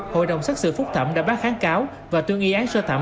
hội đồng xét xử phúc thẩm đã bắt kháng cáo và tương y án sơ thẩm